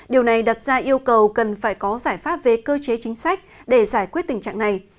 điều này đặt ra yêu cầu cần phải có giải pháp về cơ chế chính sách để giải quyết tình trạng này